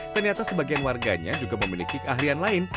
ternyata sebagian warganya juga memiliki keahlian lain